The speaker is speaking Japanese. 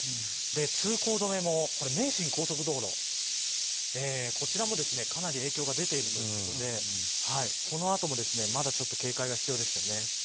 通行止めも名神高速道路、こちらもかなり影響が出ているということでこのあとも、まだ警戒が必要です。